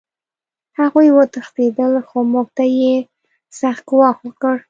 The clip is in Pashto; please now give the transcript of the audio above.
هغوی وتښتېدل خو موږ ته یې سخت ګواښ وکړ